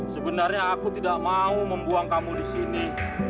sebenarnya aku tidak mau membuang kamu disini